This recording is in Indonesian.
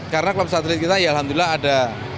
karena klub satelit kita ya alhamdulillah ada